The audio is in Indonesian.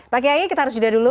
pak kiai kita harus jeda dulu